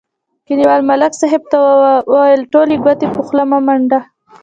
کلیوال ملک صاحب ته ویل: ټولې ګوتې په خوله مه منډه.